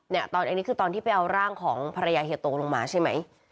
อันนี้คือตอนที่ไปเอาร่างของภรรยาเฮียโตลงมาใช่ไหม